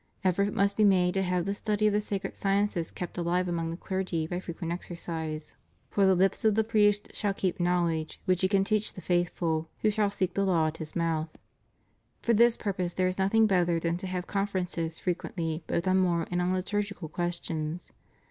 Effort must be made to have the study of the sacred sciences kept alive among the clergy by frequent exercise. For the lips of the priest shall keep knowledge, which he can teach the faithful, who shall seek the law at his mouth} For this purpose there is nothing better than to have conferences frequently, both on moral and on liturgical questions.